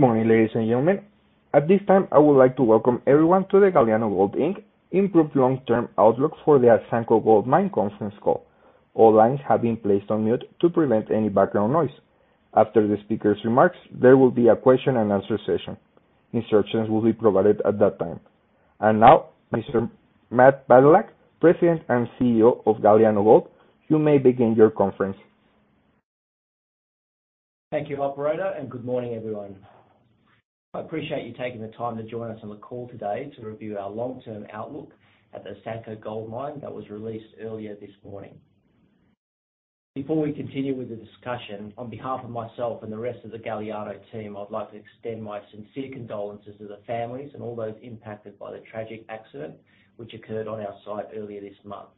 Good morning, ladies and gentlemen. At this time, I would like to welcome everyone to the Galiano Gold Inc. Improved Long-Term Outlook for the Asanko Gold Mine conference call. All lines have been placed on mute to prevent any background noise. After the speaker's remarks, there will be a question and answer session. Instructions will be provided at that time. Now, Mr. Matt Badylak, President and CEO of Galiano Gold, you may begin your conference. Thank you, operator. Good morning, everyone. I appreciate you taking the time to join us on the call today to review our long-term outlook at the Asanko Gold Mine that was released earlier this morning. Before we continue with the discussion, on behalf of myself and the rest of the Galiano team, I'd like to extend my sincere condolences to the families and all those impacted by the tragic accident which occurred on our site earlier this month.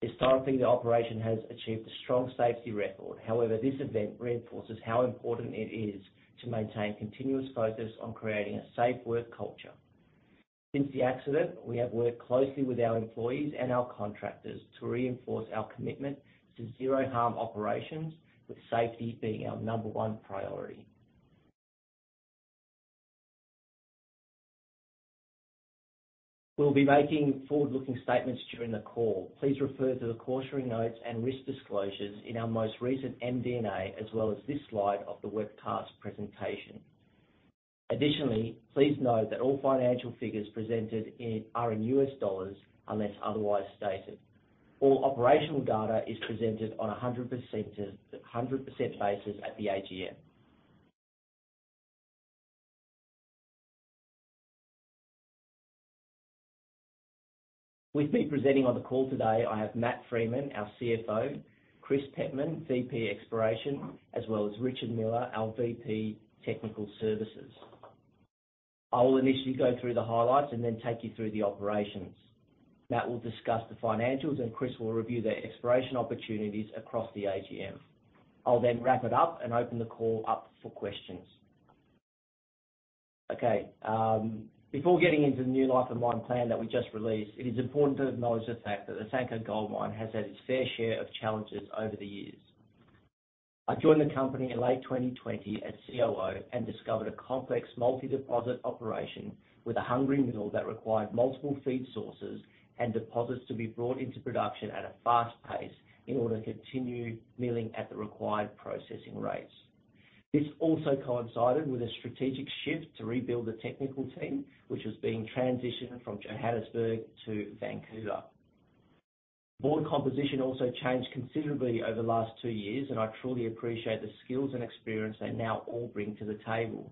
Historically, the operation has achieved a strong safety record. However, this event reinforces how important it is to maintain continuous focus on creating a safe work culture. Since the accident, we have worked closely with our employees and our contractors to reinforce our commitment to zero-harm operations, with safety being our number one priority. We'll be making forward-looking statements during the call. Please refer to the cautionary notes and risk disclosures in our most recent MD&A, as well as this slide of the webcast presentation. Additionally, please note that all financial figures presented are in U.S dollars unless otherwise stated. All operational data is presented on a 100% basis at the AGM. With me presenting on the call today, I have Matt Freeman, our CFO, Chris Pettman, VP, Exploration, as well as Richard Miller, our VP, Technical Services. I will initially go through the highlights and then take you through the operations. Matt will discuss the financials, and Chris will review the exploration opportunities across the AGM. I'll then wrap it up and open the call up for questions. Okay, before getting into the new life of mine plan that we just released, it is important to acknowledge the fact that Asanko Gold Mine has had its fair share of challenges over the years. I joined the company in late 2020 as COO and discovered a complex multi-deposit operation with a hungry mill that required multiple feed sources and deposits to be brought into production at a fast pace in order to continue milling at the required processing rates. This also coincided with a strategic shift to rebuild the technical team, which was being transitioned from Johannesburg to Vancouver. Board composition also changed considerably over the last two years, and I truly appreciate the skills and experience they now all bring to the table.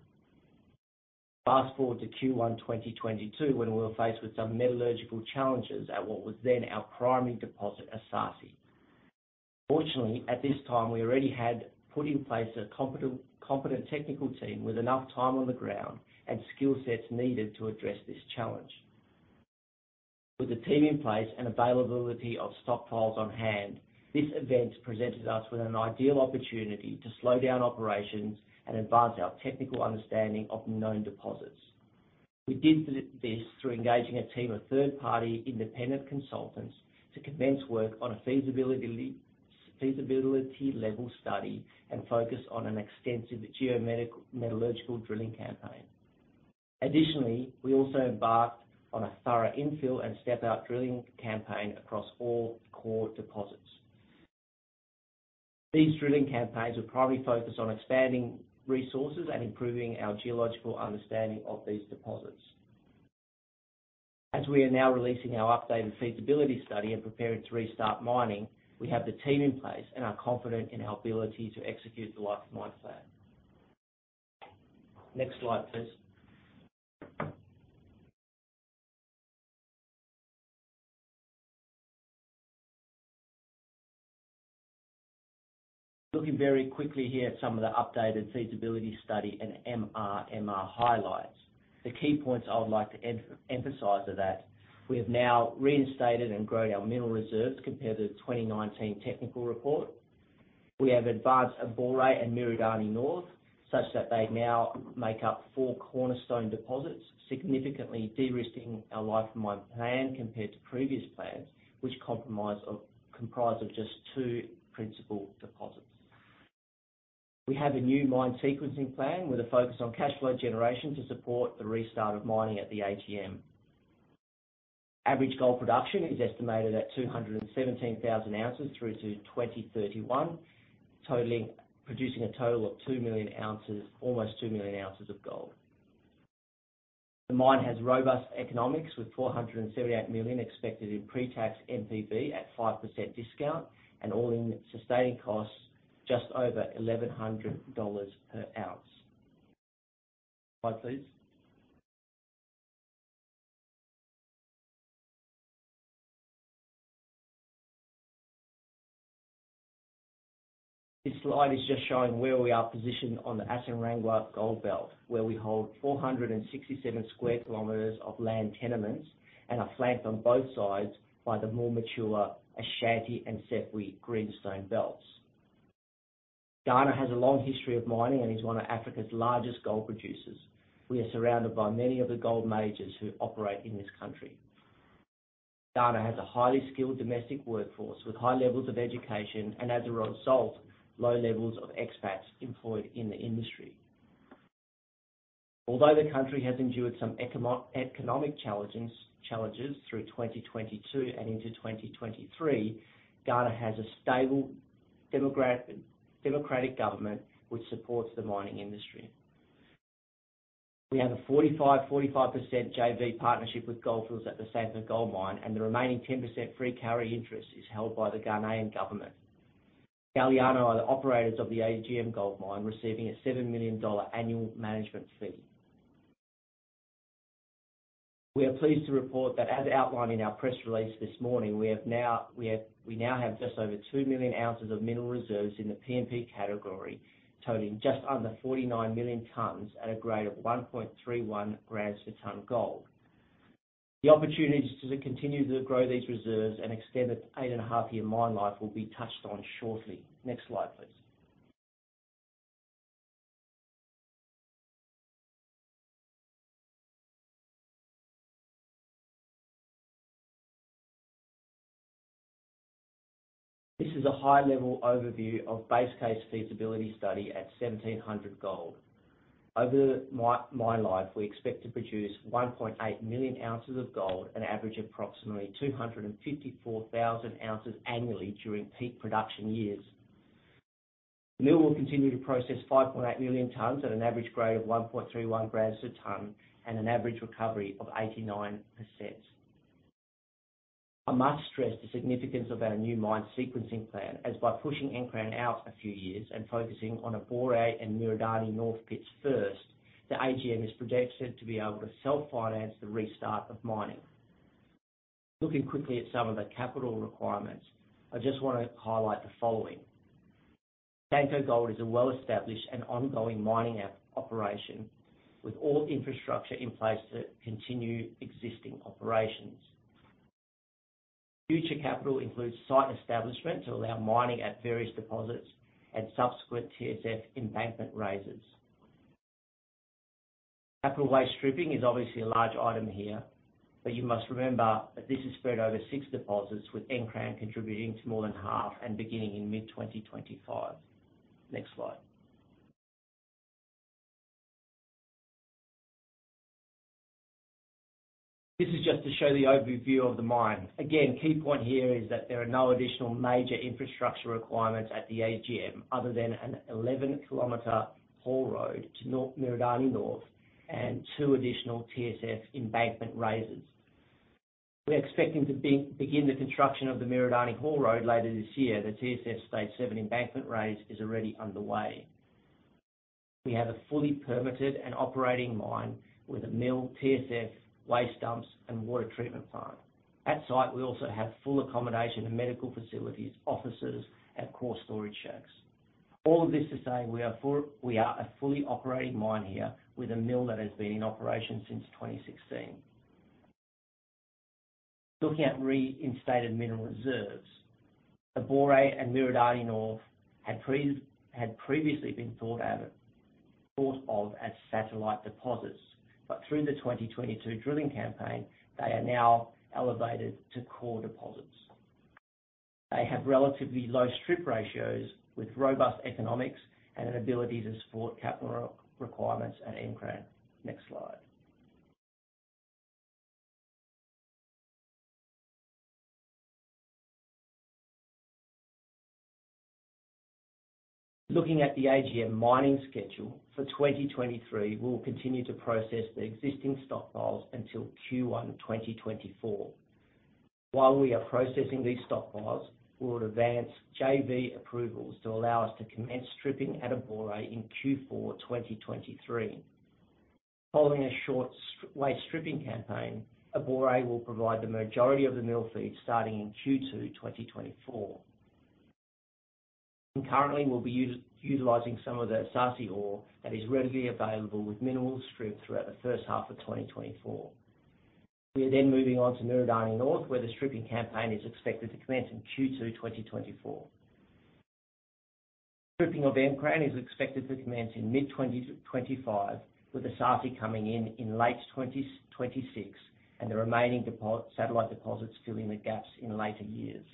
Fast-forward to Q1 2022, when we were faced with some metallurgical challenges at what was then our primary deposit, Esaase. Fortunately, at this time, we already had put in place a competent technical team with enough time on the ground and skill sets needed to address this challenge. With the team in place and availability of stockpiles on-hand, this event presented us with an ideal opportunity to slow down operations and advance our technical understanding of known deposits. We did this through engaging a team of third-party independent consultants to commence work on a feasibility-level study and focus on an extensive geometallurgical drilling campaign. Additionally, we also embarked on a thorough infill and step-out drilling campaign across all core deposits. These drilling campaigns were primarily focused on expanding resources and improving our geological understanding of these deposits. As we are now releasing our updated feasibility study and preparing to restart mining, we have the team in place and are confident in our ability to execute the life of mine plan. Next slide, please. Looking very quickly here at some of the updated feasibility study and MRMR highlights. The key points I would like to emphasize are that we have now reinstated and grown our Mineral Reserves compared to the 2019 technical report. We have advanced Abore and Miradani North, such that they now make up four cornerstone deposits, significantly de-risking our life of mine plan compared to previous plans, which comprise of just two principal deposits. We have a new mine sequencing plan with a focus on cash flow generation to support the restart of mining at the AGM. Average gold production is estimated at 217,000 ounces through to 2031, totaling... producing a total of 2 million ounces, almost 2 million ounces of gold. The mine has robust economics, with $478 million expected in pre-tax NPV at 5% discount and all-in sustaining costs just over $1,100 per ounce. Slide, please. This slide is just showing where we are positioned on the Asankrangwa Gold Belt, where we hold 467 sq km of land tenements and are flanked on both sides by the more mature Ashanti and Sefwi greenstone belts. Ghana has a long history of mining and is one of Africa's largest gold producers. We are surrounded by many of the gold majors who operate in this country. Ghana has a highly skilled domestic workforce with high levels of education, and as a result, low levels of expats employed in the industry. Although the country has endured some economic challenges through 2022 and into 2023, Ghana has a stable democratic government which supports the mining industry. We have a 45% JV partnership with Gold Fields at the Asanko Gold Mine, and the remaining 10% free carry interest is held by the Ghanaian Government. Galiano are the operators of the AGM Gold Mine, receiving a $7 million annual management fee. We are pleased to report that, as outlined in our press release this morning, we now have just over 2 million ounces of Mineral Reserves in the P&P category, totaling just under 49 million tonnes at a grade of 1.31 grams per tonne gold. The opportunities to continue to grow these Reserves and extend its eight and a half year mine life will be touched on shortly. Next slide, please. This is a high-level overview of base case feasibility study at $1,700 Gold. Over the mine life, we expect to produce 1.8 million ounces of gold and average approximately 254,000 ounces annually during peak production years. The mill will continue to process 5.8 million tonnes at an average grade of 1.31 grams a tonne and an average recovery of 89%. I must stress the significance of our new mine sequencing plan, as by pushing Nkran out a few years and focusing on Abore and Miradani North pits first, the AGM is projected to be able to self-finance the restart of mining. Looking quickly at some of the capital requirements, I just wanna highlight the following. Galiano Gold is a well-established and ongoing mining operation, with all infrastructure in place to continue existing operations. Future capital includes site establishment to allow mining at various deposits and subsequent TSF embankment raises. Capital waste stripping is obviously a large item here, but you must remember that this is spread over 6 deposits, with Nkran contributing to more than half and beginning in mid-2025. Next slide. This is just to show the overview of the mine. Again, key point here is that there are no additional major infrastructure requirements at the AGM other than an 11-km haul road to Miradani North and two additional TSF embankment raises. We're expecting to begin the construction of the Miradani haul road later this year. The TSF stage 7 embankment raise is already underway. We have a fully permitted and operating mine with a mill, TSF, waste dumps, and water treatment plant. At site, we also have full accommodation and medical facilities, offices, and core storage shacks. All of this to say we are a fully operating mine here with a mill that has been in operation since 2016. Looking at reinstated Mineral Reserves. Abore and Miradani North had previously been thought of as satellite deposits, but through the 2022 drilling campaign, they are now elevated to core deposits. They have relatively low strip ratios with robust economics and an ability to support capital requirements at Nkran. Next slide. Looking at the AGM mining schedule for 2023, we will continue to process the existing stock piles until Q1 2024. While we are processing these stock piles, we would advance JV approvals to allow us to commence stripping at Abore in Q4 2023. Following a short waste stripping campaign, Abore will provide the majority of the mill feed starting in Q2 2024. Concurrently, we'll be utilizing some of the Esaase ore that is readily available with minimal strip throughout the first half of 2024. We are moving on to Miradani North, where the stripping campaign is expected to commence in Q2 2024. Stripping of Nkran is expected to commence in mid-2025, with Esaase coming in late 2026, and the remaining satellite deposits filling the gaps in later years.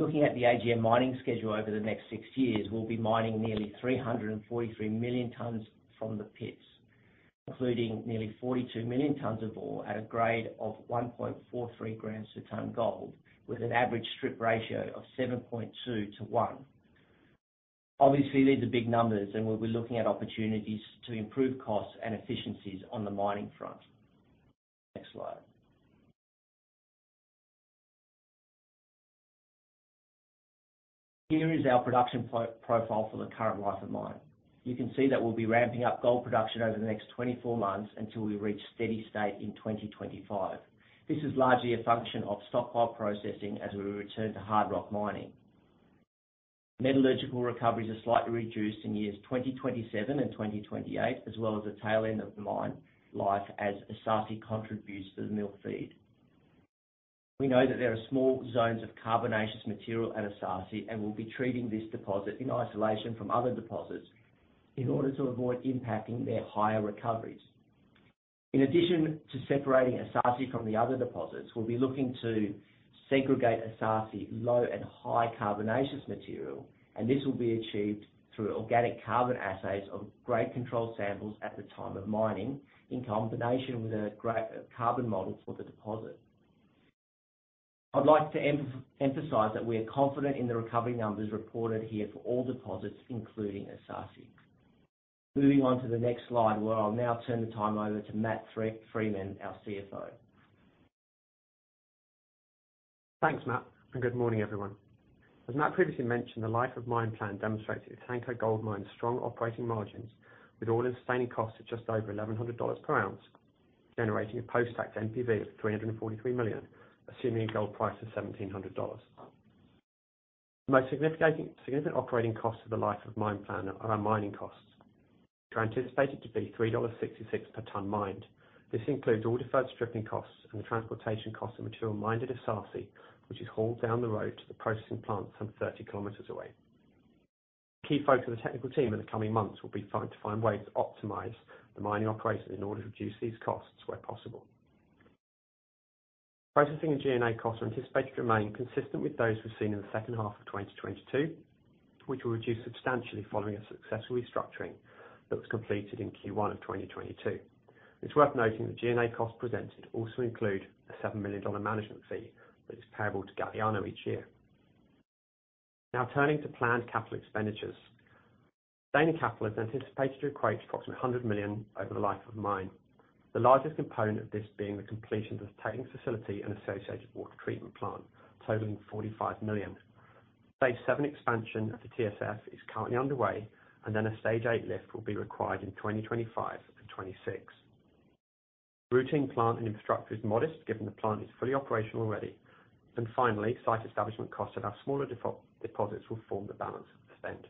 Looking at the AGM mining schedule over the next 6 years, we'll be mining nearly 343 million tonnes from the pits, including nearly 42 million tonnes of ore at a grade of 1.43 grams per tonne gold, with an average strip ratio of 7.2 to 1. Obviously, these are big numbers, and we'll be looking at opportunities to improve costs and efficiencies on the mining front. Next slide. Here is our production pro-profile for the current life of mine. You can see that we'll be ramping up gold production over the next 24 months until we reach steady state in 2025. This is largely a function of stockpile processing as we return to hard rock mining. Metallurgical recoveries are slightly reduced in years 2027 and 2028, as well as the tail end of mine life as Esaase contributes to the mill feed. We know that there are small zones of carbonaceous material at Esaase, and we'll be treating this deposit in isolation from other deposits in order to avoid impacting their higher recoveries. In addition to separating Esaase from the other deposits, we'll be looking to segregate Esaase low and high carbonaceous material. This will be achieved through organic carbon assays of grade control samples at the time of mining, in combination with a carbon model for the deposit. I'd like to emphasize that we are confident in the recovery numbers reported here for all deposits, including Esaase. Moving on to the next slide, where I'll now turn the time over to Matt Freeman, our CFO. Thanks, Matt. Good morning, everyone. As Matt previously mentioned, the life of mine plan demonstrates that Asanko Gold Mine's strong operating margins with all-in sustaining costs of just over $1,100 per ounce, generating a post-tax NPV of $343 million, assuming a gold price of $1,700. The most significant operating costs of the life of mine plan are our mining costs. They're anticipated to be $3.66 per ton mined. This includes all deferred stripping costs and the transportation costs of material mined at Esaase, which is hauled down the road to the processing plant some 30 kilometers away. Key focus of the technical team in the coming months will be to find ways to optimize the mining operation in order to reduce these costs where possible. Processing and G&A costs are anticipated to remain consistent with those we've seen in the second half of 2022, which will reduce substantially following a successful restructuring that was completed in Q1 of 2022. It's worth noting the G&A costs presented also include a $7 million management fee, which is payable to Galiano each year. Now turning to planned capital expenditures. Sustaining capital is anticipated to equate to approximately $100 million over the life of the mine. The largest component of this being the completion of the tailings facility and associated water treatment plant, totaling $45 million. Stage seven expansion of the TSF is currently underway, and then a stage eight lift will be required in 2025 and 2026. Routine plant and infrastructure is modest, given the plant is fully operational already. Finally, site establishment costs at our smaller deposits will form the balance of the spend.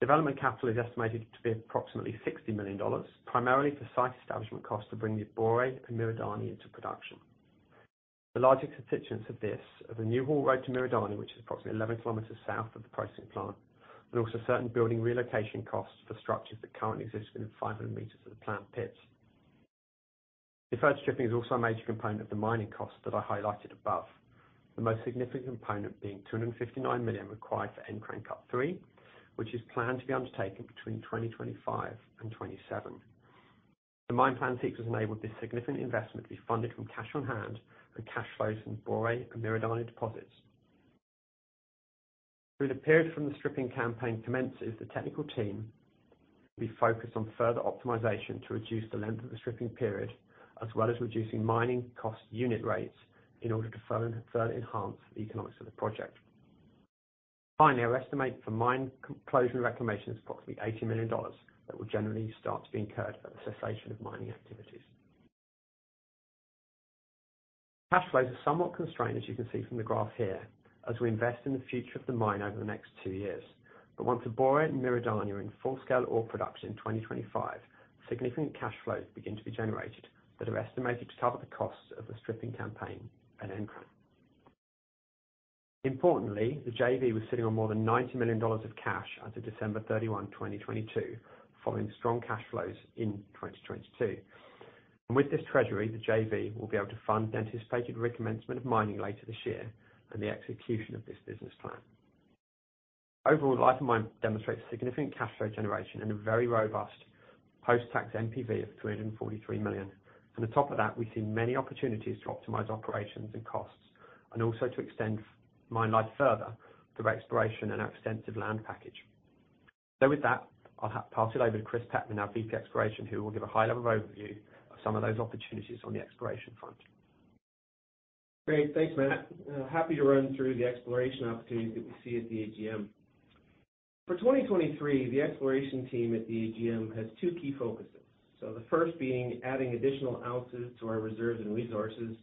Development capital is estimated to be approximately $60 million, primarily for site establishment costs to bring Abore and Miradani into production. The largest constituents of this are the new haul road to Miradani, which is approximately 11 kilometers south of the processing plant, and also certain building relocation costs for structures that currently exist within 500 meters of the plant pits. Deferred stripping is also a major component of the mining costs that I highlighted above. The most significant component being $259 million required for Nkran Cut three, which is planned to be undertaken between 2025 and 2027. The mine plan has enabled this significant investment to be funded from cash on hand and cash flows from Abore and Miradani deposits. Through the period from the stripping campaign commences, the technical team will be focused on further optimization to reduce the length of the stripping period, as well as reducing mining cost unit rates in order to further enhance the economics of the project. Finally, our estimate for mine closure and reclamation is approximately $80 million. That will generally start to be incurred at the cessation of mining activities. Cash flows are somewhat constrained, as you can see from the graph here, as we invest in the future of the mine over the next two years. Once Abore and Miradani are in full-scale ore production in 2025, significant cash flows begin to be generated that are estimated to cover the costs of the stripping campaign at Nkran. Importantly, the JV was sitting on more than $90 million of cash as of December 31, 2022, following strong cash flows in 2022. With this treasury, the JV will be able to fund the anticipated recommencement of mining later this year and the execution of this business plan. Overall, the life of mine demonstrates significant cash flow generation and a very robust post-tax NPV of $343 million. On top of that, we've seen many opportunities to optimize operations and costs, and also to extend mine life further through exploration in our extensive land package. With that, I'll pass it over to Chris Pettman, our VP, Exploration, who will give a high-level overview of some of those opportunities on the exploration front. Great. Thanks, Matt. Happy to run through the exploration opportunities that we see at the Asanko Gold Mine. For 2023, the exploration team at the Asanko Gold Mine has two key focuses. The first being adding additional ounces to our reserves and resources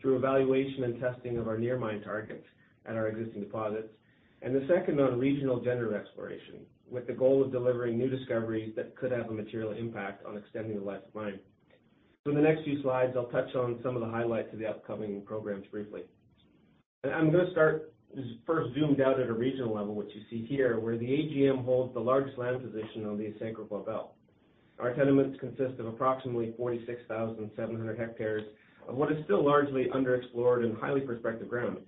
through evaluation and testing of our near mine targets at our existing deposits. The second on regional general exploration, with the goal of delivering new discoveries that could have a material impact on extending the life of mine. In the next few slides, I'll touch on some of the highlights of the upcoming programs briefly. I'm gonna start first zoomed out at a regional level, which you see here, where the Asanko Gold Mine holds the largest land position on the Asankrangwa Belt. Our tenements consist of approximately 46,700 hectares of what is still largely underexplored and highly prospective ground.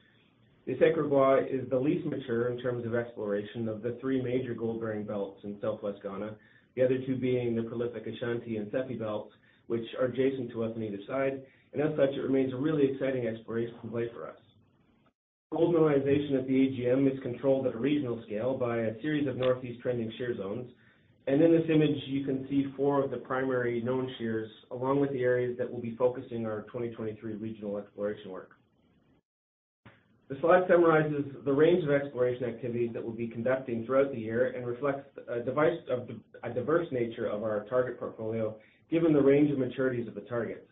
The Asankrangwa is the least mature in terms of exploration of the 3 major gold mining belts in southwest Ghana, the other two being the prolific Ashanti and Sefwi belts, which are adjacent to us on either side. As such, it remains a really exciting exploration play for us. Gold mineralization at the AGM is controlled at a regional scale by a series of northeast-trending shear zones. In this image, you can see 4 of the primary known shears, along with the areas that will be focusing our 2023 regional exploration work. The slide summarizes the range of exploration activities that we'll be conducting throughout the year and reflects a diverse nature of our target portfolio, given the range of maturities of the targets.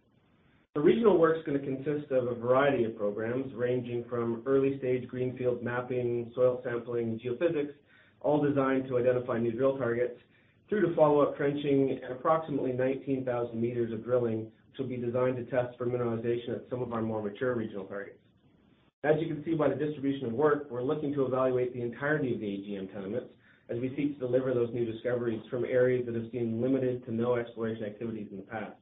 The regional work's gonna consist of a variety of programs, ranging from early-stage greenfield mapping, soil sampling, geophysics, all designed to identify new drill targets, through to follow-up trenching and approximately 19,000 meters of drilling to be designed to test for mineralization at some of our more mature regional targets. As you can see by the distribution of work, we're looking to evaluate the entirety of the AGM tenements as we seek to deliver those new discoveries from areas that have seen limited to no exploration activities in the past.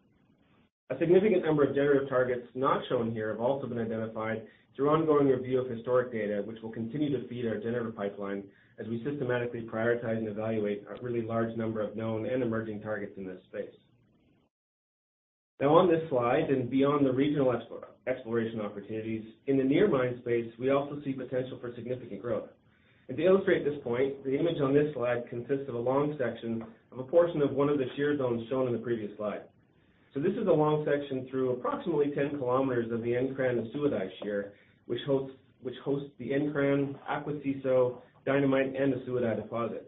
A significant number of generative targets not shown here have also been identified through ongoing review of historic data, which will continue to feed our generative pipeline as we systematically prioritize and evaluate a really large number of known and emerging targets in this space. Now on this slide and beyond the regional exploration opportunities, in the near mine space, we also see potential for significant growth. To illustrate this point, the image on this slide consists of a long section of a portion of one of the shear zones shown in the previous slide. This is a long section through approximately 10 kilometers of the Nkran-Asuadai shear, which hosts the Nkran, Akwasiso, Dynamite, and Asuadai deposits.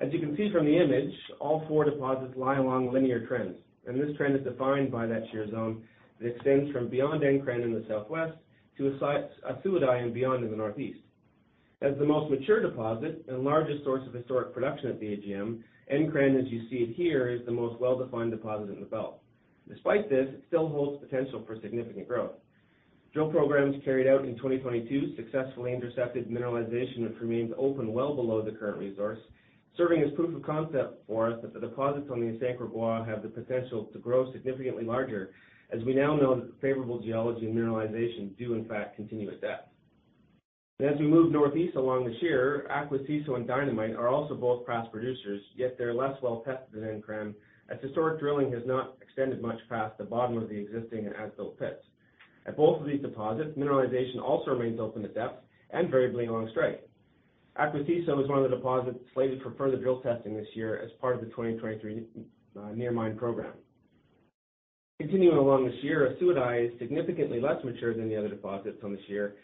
As you can see from the image, all four deposits lie along linear trends, and this trend is defined by that shear zone that extends from beyond Nkran in the southwest to Asuadai and beyond in the northeast. As the most mature deposit and largest source of historic production at the AGM, Nkran, as you see it here, is the most well-defined deposit in the belt. Despite this, it still holds potential for significant growth. Drill programs carried out in 2022 successfully intercepted mineralization which remains open well below the current resource, serving as proof of concept for us that the deposits on the Asankrangwa have the potential to grow significantly larger, as we now know that the favorable geology and mineralization do in fact continue at depth. As we move northeast along the shear, Akwasiso and Dynamite are also both past producers, yet they're less well tested than Nkran, as historic drilling has not extended much past the bottom of the existing and as-built pits. At both of these deposits, mineralization also remains open at depth and variably along strike. Akwasiso is one of the deposits slated for further drill testing this year as part of the 2023 near mine program. Continuing along the shear, Asuadai is significantly less mature than the other deposits on the shear,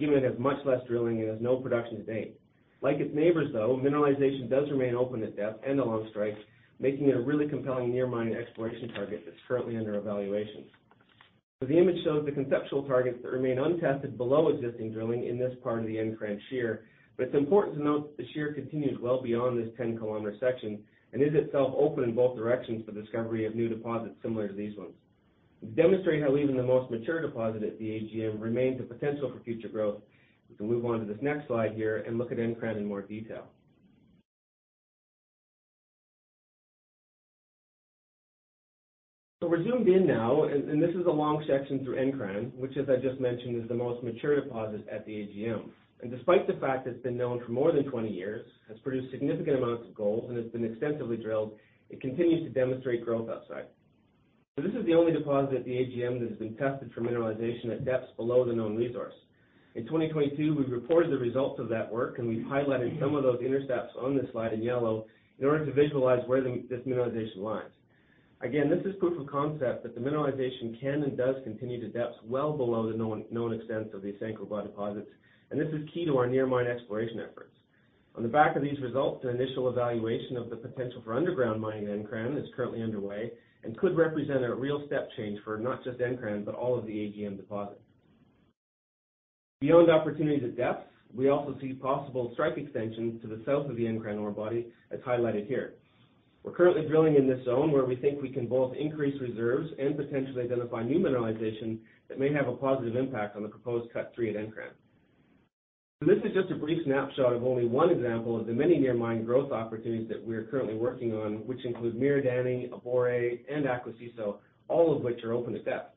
given it has much less drilling and has no production to date. Like its neighbors, though, mineralization does remain open at depth and along strike, making it a really compelling near mine and exploration target that's currently under evaluation. The image shows the conceptual targets that remain untested below existing drilling in this part of the Nkran shear, but it's important to note that the shear continues well beyond this 10-kilometer section and is itself open in both directions for discovery of new deposits similar to these ones. To demonstrate how even the most mature deposit at the AGM remains the potential for future growth, we can move on to this next slide here and look at Nkran in more detail. We're zoomed in now, this is a long section through Nkran, which as I just mentioned, is the most mature deposit at the AGM. Despite the fact that it's been known for more than 20 years, has produced significant amounts of gold, and has been extensively drilled, it continues to demonstrate growth upside. This is the only deposit at the AGM that has been tested for mineralization at depths below the known resource. In 2022, we've reported the results of that work, and we've highlighted some of those intercepts on this slide in yellow in order to visualize where this mineralization lies. Again, this is proof of concept that the mineralization can and does continue to depths well below the known extents of these Sankorboa deposits, and this is key to our near mine exploration efforts. On the back of these results, an initial evaluation of the potential for underground mining at Nkran is currently underway and could represent a real step change for not just Nkran, but all of the AGM deposits. Beyond opportunities at depth, we also see possible strike extensions to the south of the Nkran ore body, as highlighted here. We're currently drilling in this zone where we think we can both increase reserves and potentially identify new mineralization that may have a positive impact on the proposed cut three at Nkran. This is just a brief snapshot of only one example of the many near mine growth opportunities that we're currently working on, which include Miradani, Abore, and Akwasiso, all of which are open to depth.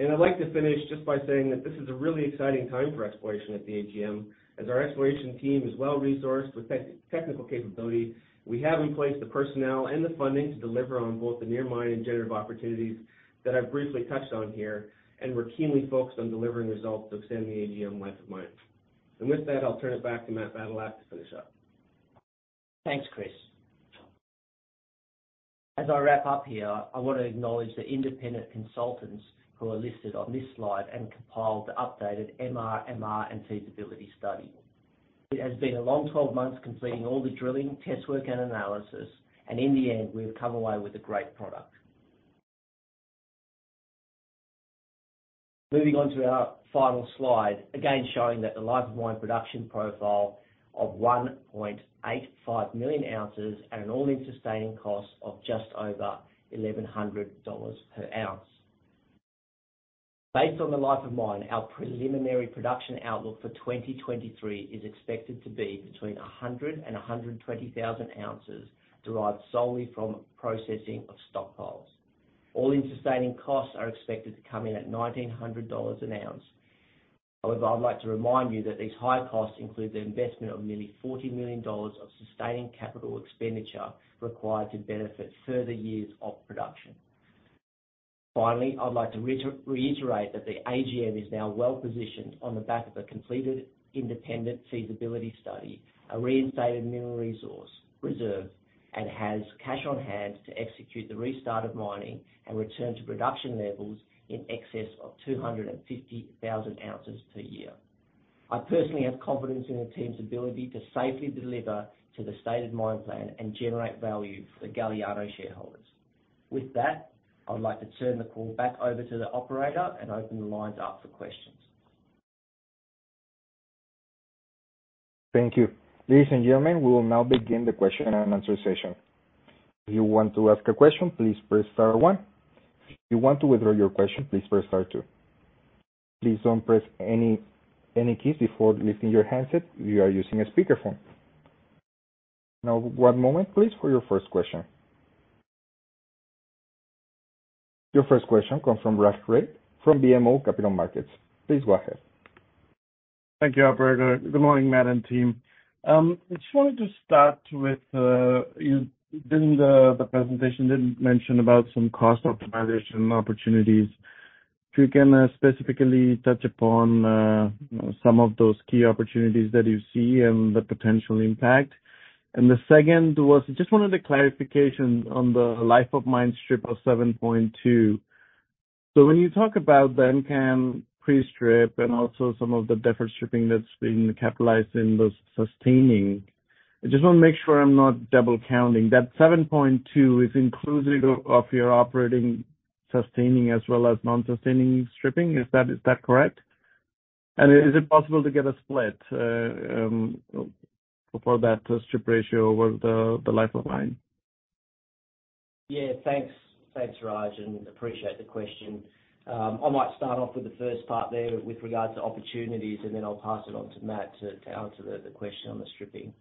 I'd like to finish just by saying that this is a really exciting time for exploration at the AGM, as our exploration team is well-resourced with technical capability. We have in place the personnel and the funding to deliver on both the near mine and generative opportunities that I've briefly touched on here. We're keenly focused on delivering results to extend the AGM life of mine. With that, I'll turn it back to Matt Badylak to finish up. Thanks, Chris. As I wrap up here, I want to acknowledge the independent consultants who are listed on this slide and compiled the updated MR, and feasibility study. It has been a long 12 months completing all the drilling, test work, and analysis. In the end, we've come away with a great product. Moving on to our final slide, again showing that the life of mine production profile of 1.85 million ounces at an all-in sustaining cost of just over $1,100 per ounce. Based on the life of mine, our preliminary production outlook for 2023 is expected to be between 100,000-120,000 ounces derived solely from processing of stockpiles. All-in sustaining costs are expected to come in at $1,900 an ounce. However, I'd like to remind you that these high costs include the investment of nearly $40 million of sustaining capital expenditure required to benefit further years of production. Finally, I'd like to reiterate that the AGM is now well-positioned on the back of a completed independent feasibility study, a reinstated Mineral Resource Reserve, and has cash on-hand to execute the restart of mining and return to production levels in excess of 250,000 ounces per year. I personally have confidence in the team's ability to safely deliver to the stated mine plan and generate value for the Galiano shareholders. With that, I would like to turn the call back over to the operator and open the lines up for questions. Thank you. Ladies and gentlemen, we will now begin the question and answer session. If you want to ask a question, please press star one. If you want to withdraw your question, please press star two. Please don't press any keys before lifting your handset if you are using a speaker phone. One moment please, for your first question. Your first question comes from Raj Ray from BMO Capital Markets. Please go ahead. Thank you, operator. Good morning, Matt and team. I just wanted to start with, during the presentation did mention about some cost optimization opportunities. If you can specifically touch upon some of those key opportunities that you see and the potential impact. The second was, just wanted a clarification on the life of mine strip of 7.2. When you talk about the Nkran pre-strip and also some of the deferred stripping that's been capitalized in the sustaining, I just want to make sure I'm not double counting. That 7.2 is inclusive of your operating sustaining as well as non-sustaining stripping. Is that correct? Is it possible to get a split for that strip ratio over the life of mine? Yeah, thanks. Thanks, Raj, appreciate the question. I might start off with the first part there with regards to opportunities, I'll pass it on to Matt to answer the question on the stripping.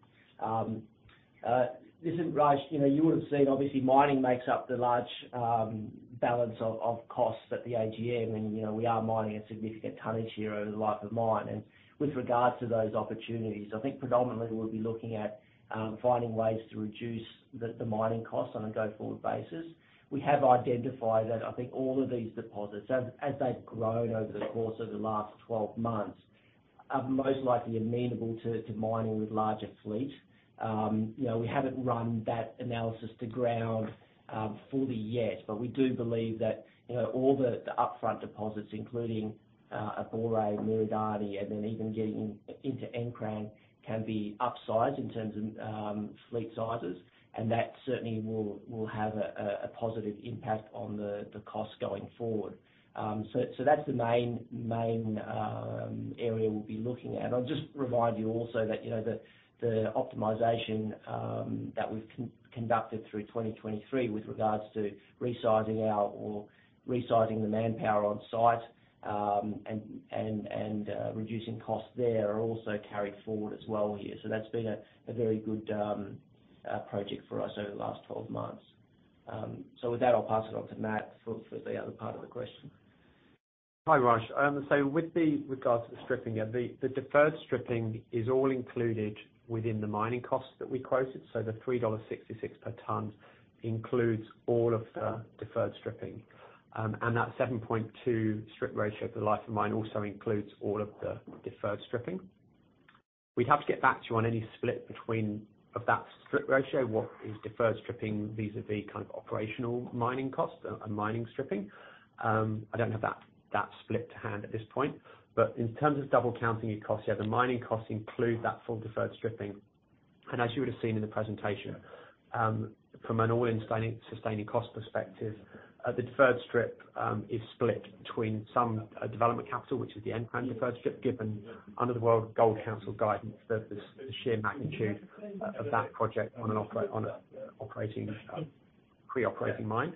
Listen, Raj, you know, you would have seen obviously mining makes up the large balance of costs at the AGM, you know, we are mining a significant tonnage here over the life of mine. With regards to those opportunities, I think predominantly we'll be looking at finding ways to reduce the mining costs on a go-forward basis. We have identified that I think all of these deposits, as they've grown over the course of the last 12 months, are most likely amenable to mining with larger fleet. You know, we haven't run that analysis to ground fully yet, but we do believe that, you know, all the upfront deposits, including Abore, Miradani, and then even getting into Nkran can be upsized in terms of fleet sizes. That certainly will have a positive impact on the cost going forward. That's the main area we'll be looking at. I'll just remind you also that, you know, the optimization that we've conducted through 2023 with regards to resizing the manpower on site, and reducing costs there are also carried forward as well here. That's been a very good project for us over the last 12 months. With that, I'll pass it on to Matt for the other part of the question. Hi, Raj. With the regards to the stripping, yeah, the deferred stripping is all included within the mining costs that we quoted. The $3.66 per ton includes all of the deferred stripping. That 7.2 strip ratio for the life of mine also includes all of the deferred stripping. We'd have to get back to you on any split between of that strip ratio, what is deferred stripping vis-a-vis kind of operational mining costs and mining stripping. I don't have that split to hand at this point. In terms of double counting your costs, yeah, the mining costs include that full deferred stripping. As you would have seen in the presentation, from an all-in sustaining costs perspective, the deferred stripping is split between some development capital, which is the Nkran deferred stripping, given under the World Gold Council guidance that the sheer magnitude of that project on an operating pre-operating mine.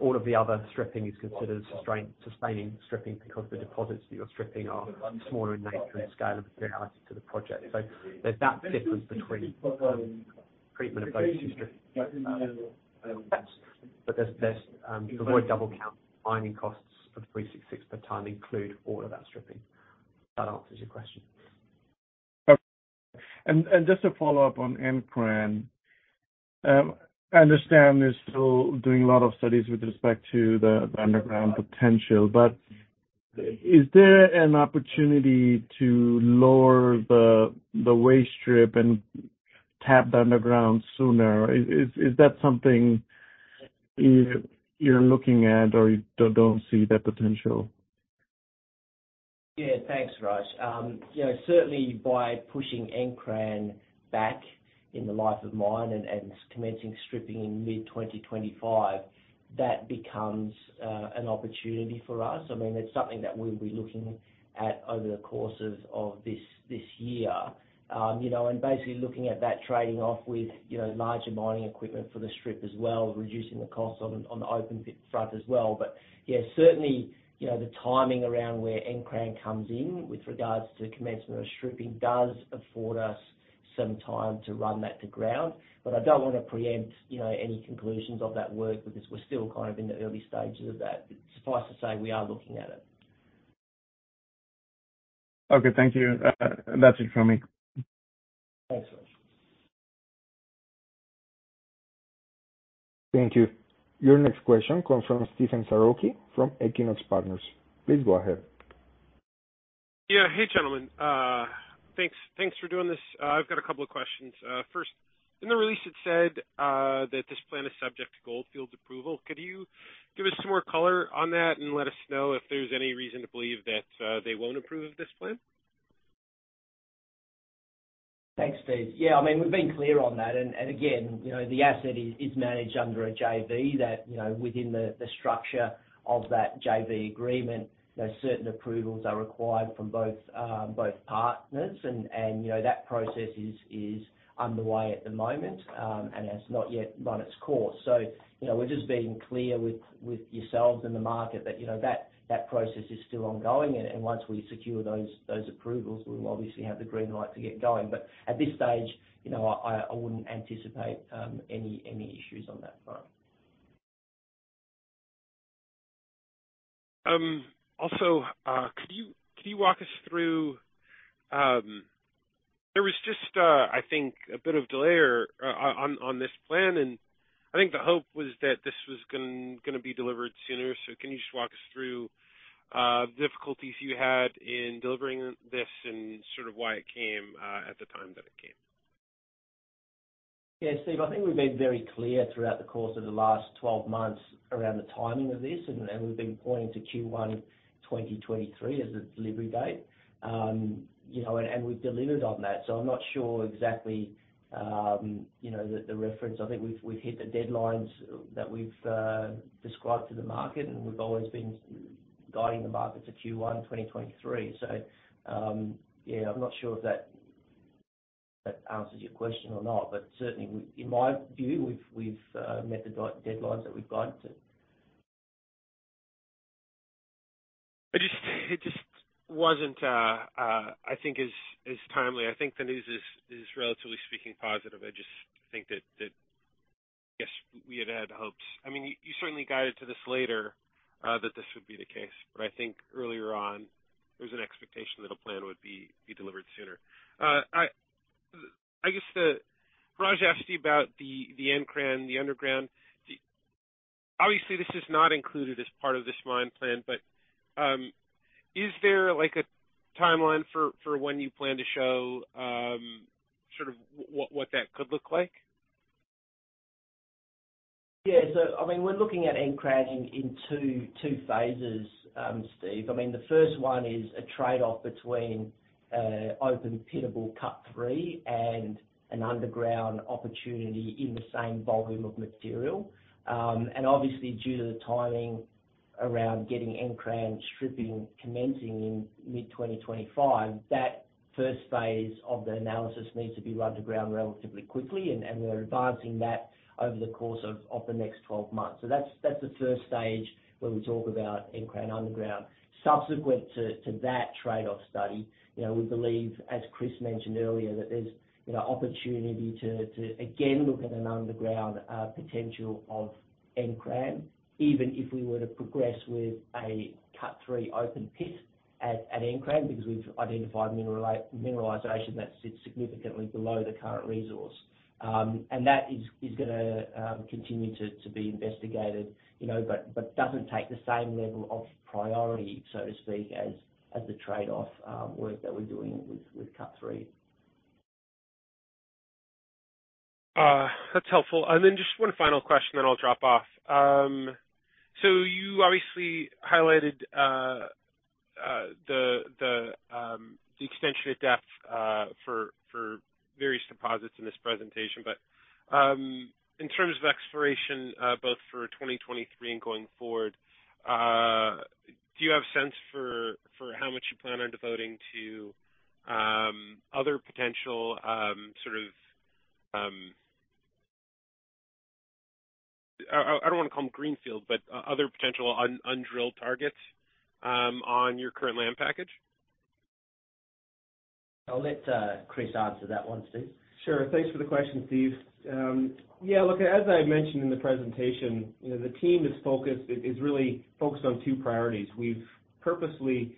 All of the other stripping is considered sustaining stripping because the deposits that you're stripping are smaller in nature and scale in reality to the project. There's that difference between treatment of those two stripping. There's to avoid double counting, mining costs for 366 per ton include all of that stripping. If that answers your question. just to follow up on Nkran. I understand they're still doing a lot of studies with respect to the underground potential. Is there an opportunity to lower the waste strip and tap the underground sooner? Is that something you're looking at or you don't see that potential? Yeah, thanks, Raj. You know, certainly by pushing Nkran back in the life of mine and commencing stripping in mid-2025, that becomes an opportunity for us. I mean, it's something that we'll be looking at over the course of this year. You know, basically looking at that trading off with, you know, larger mining equipment for the strip as well, reducing the cost on the open pit front as well. Yeah, certainly, you know, the timing around where Nkran comes in with regards to commencement of stripping does afford us some time to run that to ground. I don't want to preempt, you know, any conclusions of that work because we're still kind of in the early stages of that. Suffice to say we are looking at it. Okay. Thank you. That's it from me. Thanks, Raj. Thank you. Your next question comes from Stephen Sergacich from Equinox Partners. Please go ahead. Yeah. Hey, gentlemen. Thanks for doing this. I've got a couple of questions. First, in the release it said that this plan is subject to Gold Fields' approval. Could you give us some more color on that and let us know if there's any reason to believe that they won't approve this plan? Thanks, Steve. Yeah, I mean, we've been clear on that. Again, you know, the asset is managed under a JV that, you know, within the structure of that JV agreement, there are certain approvals are required from both partners and, you know, that process is underway at the moment, and has not yet run its course. You know, we're just being clear with yourselves and the market that, you know, that process is still ongoing. Once we secure those approvals, we'll obviously have the green light to get going. At this stage, you know, I wouldn't anticipate any issues on that front. Also, could you walk us through? There was just, I think a bit of delay or on this plan, and I think the hope was that this was gonna be delivered sooner. Can you just walk us through the difficulties you had in delivering this and sort of why it came at the time that it came? Yeah, Steve, I think we've been very clear throughout the course of the last 12 months around the timing of this, and we've been pointing to Q1 2023 as the delivery date. you know, and we've delivered on that. I'm not sure exactly, you know, the reference. I think we've hit the deadlines that we've described to the market, and we've always been guiding the market to Q1 2023. Yeah, I'm not sure if that answers your question or not, but certainly in my view, we've met the deadlines that we've guided to. It just wasn't I think as timely. I think the news is relatively speaking positive. I just think that, yes, we had hopes. I mean, you certainly guided to this later, that this would be the case. I think earlier on, there was an expectation that a plan would be delivered sooner. I guess Raj asked you about the Nkran, the underground. Obviously this is not included as part of this mine plan, but is there like a timeline for when you plan to show sort of what that could look like? I mean, we're looking at Nkran in two phases, Steve. I mean, the first one is a trade-off between open pittable cut three and an underground opportunity in the same volume of material. Obviously, due to the timing around getting Nkran stripping commencing in mid-2025, that first phase of the analysis needs to be run to ground relatively quickly, and we're advancing that over the course of the next 12 months. That's the first stage when we talk about Nkran underground. Subsequent to that trade-off study, you know, we believe, as Chris mentioned earlier, that there's, you know, opportunity to again look at an underground potential of Nkran, even if we were to progress with a cut three open pit at Nkran because we've identified mineralization that sits significantly below the current resource. That is gonna continue to be investigated, you know, but doesn't take the same level of priority, so to speak, as the trade-off, work that we're doing with cut three. That's helpful. Just 1 final question, then I'll drop off. You obviously highlighted the extension at depth for various deposits in this presentation. In terms of exploration, both for 2023 and going forward, do you have a sense for how much you plan on devoting to other potential sort of, I don't wanna call them greenfield, but other potential undrilled targets on your current land package? I'll let Chris answer that one, Steve. Sure. Thanks for the question, Steve. Yeah, look, as I mentioned in the presentation, you know, the team is really focused on two priorities. We've purposely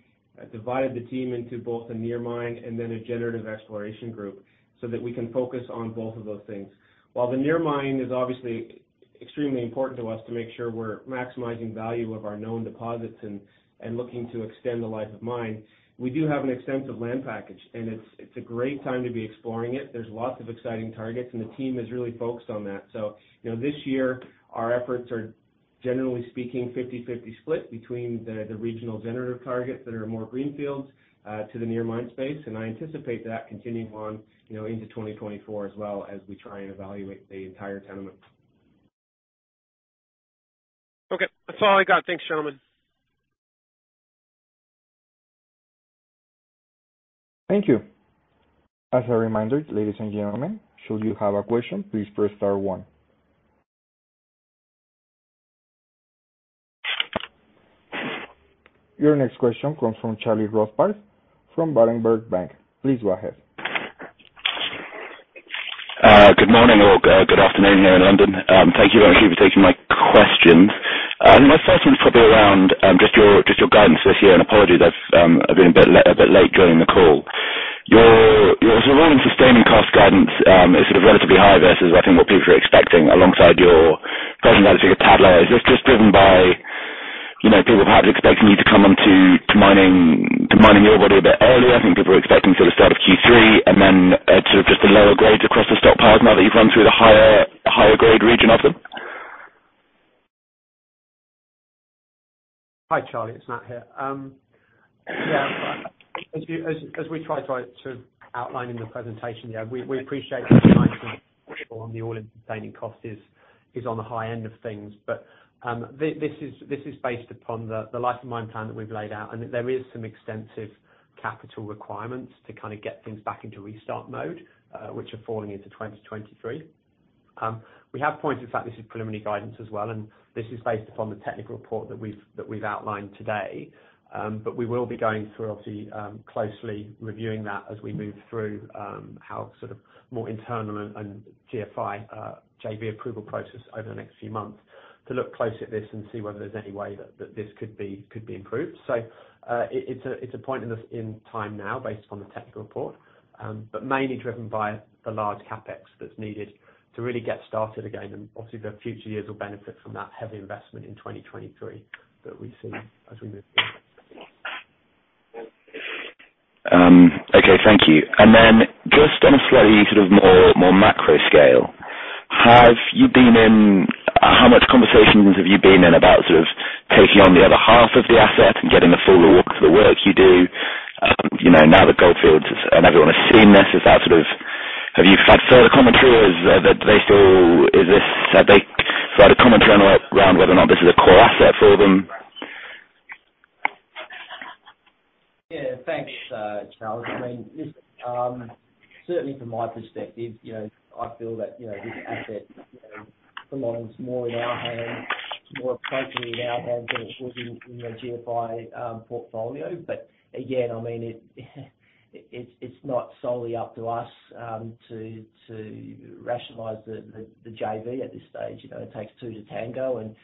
divided the team into both a near mine and then a generative exploration group so that we can focus on both of those things. While the near mine is obviously extremely important to us to make sure we're maximizing value of our known deposits and looking to extend the life of mine, we do have an extensive land package, and it's a great time to be exploring it. There's lots of exciting targets, and the team is really focused on that. You know, this year our efforts are, generally speaking, 50/50 split between the regional generative targets that are more greenfields to the near mine space. I anticipate that continuing on, you know, into 2024 as well as we try and evaluate the entire tenement. Okay. That's all I got. Thanks, gentlemen. Thank you. As a reminder, ladies and gentlemen, should you have a question, please press star one. Your next question comes from Charlie Rothbarth from Berenberg Bank. Please go ahead. Good morning or good afternoon here in London. Thank you very much for taking my questions. My first one is probably around just your guidance this year. Apologies, I've been a bit late joining the call. Your sort of running and sustaining cost guidance is sort of relatively high versus I think what people are expecting alongside your production guides for Pad Lode. Is this just driven by, you know, people perhaps expecting you to come on to mining the ore body a bit earlier? I think people are expecting sort of start of Q3. Hi, Charlie. It's Matt here. As we tried to outline in the presentation here, we appreciate the all-in sustaining costs is on the high end of things. This is based upon the life of mine plan that we've laid out, and there is some extensive capital requirements to kind of get things back into restart mode, which are falling into 2023. We have pointed the fact this is preliminary guidance as well, and this is based upon the technical report that we've outlined today. We will be going through, obviously, closely reviewing that as we move through, how sort of more internal and GFI JV approval process over the next few months to look close at this and see whether there's any way that this could be improved. It's a point in time now based upon the technical report, but mainly driven by the large CapEx that's needed to really get started again. Obviously, the future years will benefit from that heavy investment in 2023 that we've seen as we move forward. Okay, thank you. Just on a slightly sort of more, more macro scale, How much conversations have you been in about sort of taking on the other half of the asset and getting the full reward for the work you do, you know, now that Gold Fields and everyone has seen this? Have you had further commentary? Do they still? Have they started commenting around whether or not this is a core asset for them? Yeah. Thanks, Charles. I mean, just, certainly from my perspective, you know, I feel that, you know, this asset, you know, belongs more in our hands, more appropriately in our hands than it would in a GFI portfolio. Again, I mean, it's not solely up to us to rationalize the JV at this stage. You know, it takes two to tango and,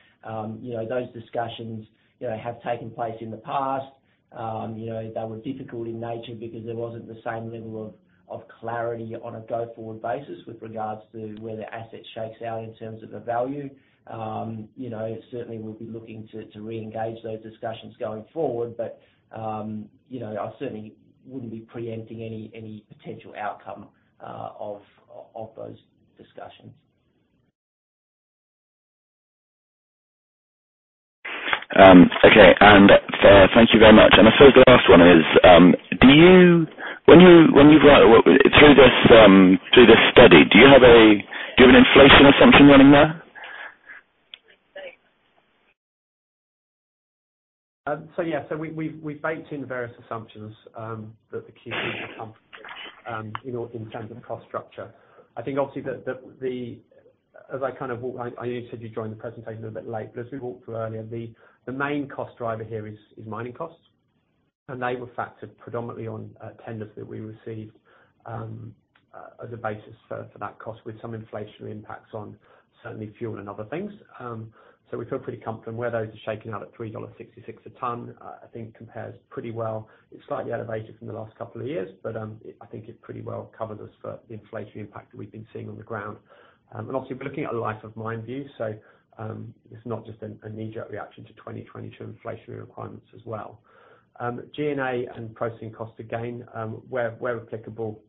you know, those discussions, you know, have taken place in the past. You know, they were difficult in nature because there wasn't the same level of clarity on a go-forward basis with regards to where the asset shakes out in terms of the value. You know, certainly we'll be looking to re-engage those discussions going forward. You know, I certainly wouldn't be preempting any potential outcome, of those discussions. Okay. Thank you very much. I suppose the last one is, when you write through this, through this study, do you have an inflation assumption running there? Yeah. We baked in the various assumptions that the Q3 will come, you know, in terms of cost structure. I think obviously, as I kind of walked, I know I said you joined the presentation a little bit late, but as we walked through earlier, the main cost driver here is mining costs. They were factored predominantly on tenders that we received as a basis for that cost with some inflationary impacts on certainly fuel and other things. We feel pretty comfortable. Where those are shaking out at $3.66 a ton, I think compares pretty well. It's slightly elevated from the last couple of years, but I think it pretty well covers us for the inflationary impact that we've been seeing on the ground. And obviously we're looking at a life of mine view. It's not just a knee-jerk reaction to 2022 inflationary requirements as well. G&A and processing costs again, where applicable,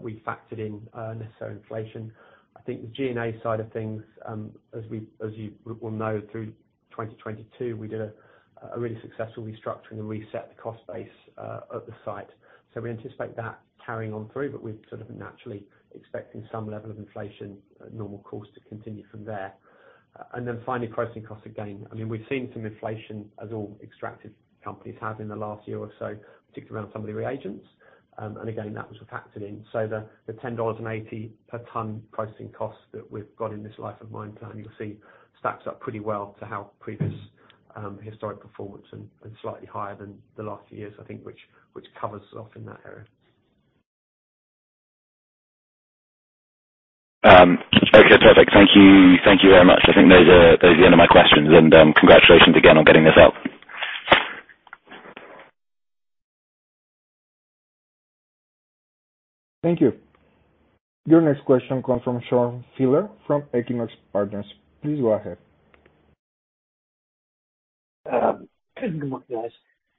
we factored in necessary inflation. I think the G&A side of things, as you will know, through 2022, we did a really successful restructuring and reset the cost base at the site. We anticipate that carrying on through. We've sort of been naturally expecting some level of inflation at normal course to continue from there. Finally, processing costs again. I mean, we've seen some inflation as all extractive companies have in the last year or so, particularly around some of the reagents. Again, that was factored in. The $10.80 per ton processing cost that we've got in this life of mine plan, you'll see stacks up pretty well to how previous historic performance and slightly higher than the last few years, I think, which covers us off in that area. Okay, perfect. Thank you. Thank you very much. I think those are the end of my questions. Congratulations again on getting this out. Thank you. Your next question comes from Sean Fieler from Equinox Partners. Please go ahead. Good morning, guys.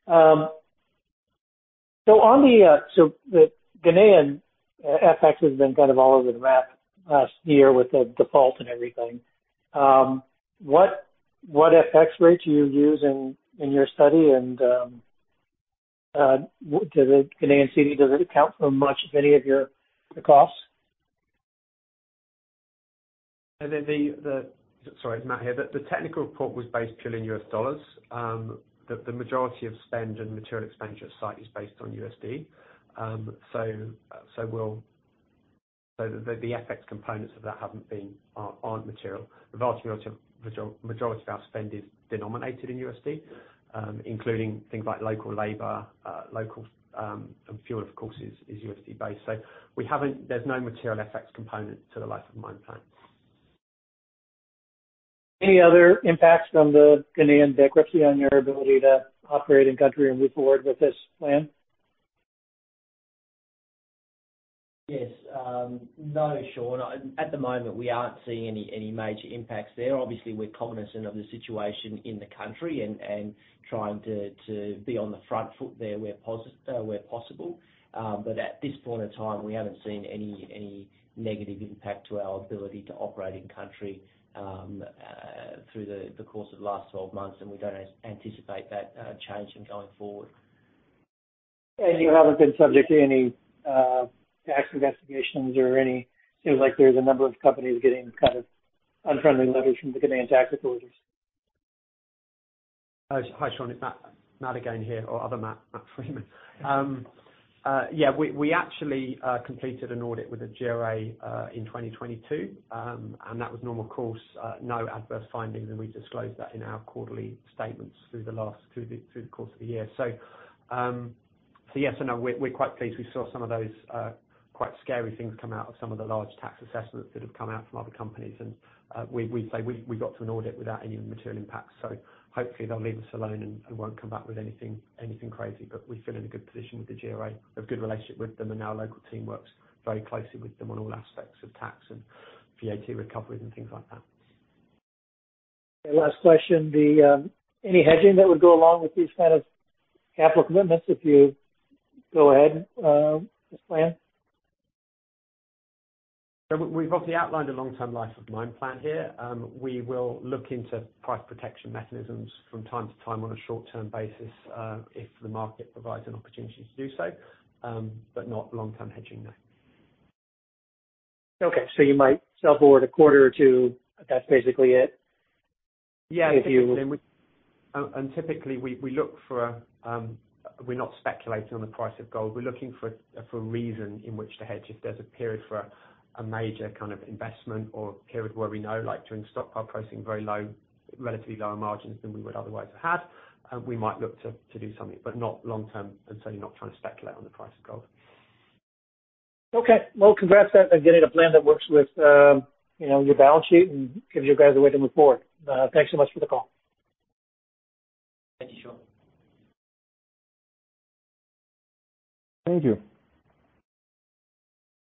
On the, so the Ghanaian FX has been kind of all over the map last year with the default and everything. What FX rates are you using in your study? Does it Ghanaian cedi, does it account for much of any of your, the costs? Sorry, Matt here. The technical report was based purely in U.S dollars. The majority of spend and material expenditure at site is based on USD. The FX components of that haven't been, aren't material. The vast majority of our spend is denominated in USD, including things like local labor, local, and fuel, of course, is USD based. There's no material FX component to the life of mine plan. Any other impacts from the Ghanaian bankruptcy on your ability to operate in country and move forward with this plan? Yes. No, Sean. At the moment, we aren't seeing any major impacts there. Obviously, we're cognizant of the situation in the country and trying to be on the front foot there where possible. At this point in time, we haven't seen any negative impact to our ability to operate in country through the course of the last 12 months, and we don't anticipate that changing going forward. You haven't been subject to any tax investigations or any. Seems like there's a number of companies getting kind of unfriendly letters from the Canadian tax authorities. Hi, Sean. It's Matt again here, or other Matt Freeman. Yeah, we actually completed an audit with the GRA in 2022. That was normal course, no adverse findings, and we disclosed that in our quarterly statements through the course of the year. Yes or no, we're quite pleased. We saw some of those quite scary things come out of some of the large tax assessments that have come out from other companies. We say we got to an audit without any material impact, so hopefully they'll leave us alone and won't come back with anything crazy. We feel in a good position with the GRA. We have a good relationship with them, and our local team works very closely with them on all aspects of tax and VAT recoveries and things like that. last question, the, any hedging that would go along with these kind of capital commitments, if you go ahead, as planned? We've obviously outlined a long-term life of mine plan here. We will look into price protection mechanisms from time to time on a short-term basis, if the market provides an opportunity to do so. Not long-term hedging, no. Okay. you might sell forward a quarter or two, that's basically it? Yeah. If you- Typically we look for. We're not speculating on the price of gold. We're looking for a reason in which to hedge. If there's a period for a major kind of investment or period where we know, like during stockpile processing, very low, relatively lower margins than we would otherwise have had, we might look to do something, but not long-term, and so not trying to speculate on the price of gold. Okay. Well, congrats on getting a plan that works with, you know, your balance sheet and gives you guys a way to move forward. Thanks so much for the call. Thank you, Sean. Thank you.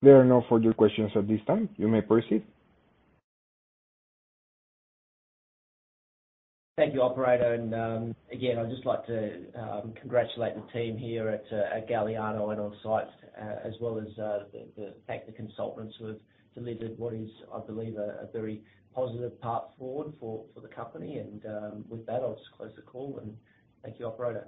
There are no further questions at this time. You may proceed. Thank you, operator. Again, I'd just like to congratulate the team here at Galiano and on site, as well as thank the consultants who have delivered what is, I believe, a very positive path forward for the company. With that, I'll just close the call and thank you, operator.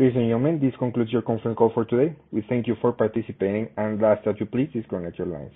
Cheers. Ladies and gentlemen, this concludes your conference call for today. We thank you for participating, we ask that you please disconnect your lines.